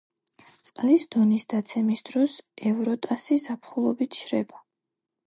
წყლის დონის დაცემის დროს ევროტასი ზაფხულობით შრება.